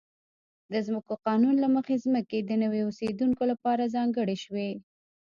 د ځمکو قانون له مخې ځمکې د نویو اوسېدونکو لپاره ځانګړې شوې.